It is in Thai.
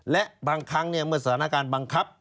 และบางครั้งเมื่อสถานการณ์บังคับ